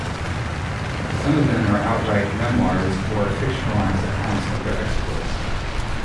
Some of them are outright memoirs or fictionalized accounts of their exploits.